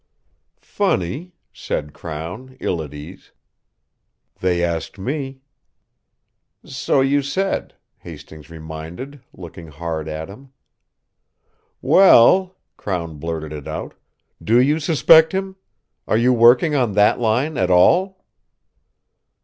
"Funny," said Crown, ill at ease. "They asked me." "So you said," Hastings reminded, looking hard at him. "Well!" Crown blurted it out. "Do you suspect him? Are you working on that line at all?"